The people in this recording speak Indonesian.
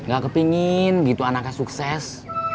gak kepingin gitu anaknya sukses